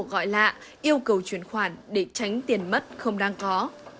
các hành vi của gọi lạ yêu cầu chuyển khoản để tránh tiền mất không đang có